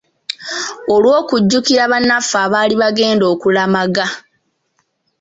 Olw'okujjukira banaffe abaali baagenda okulamaga.